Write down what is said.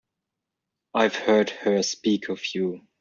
I've heard her speak of you.